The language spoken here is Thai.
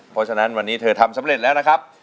เพราะฉะนั้นวันนี้เธอทำสำเร็จแล้วนะครับ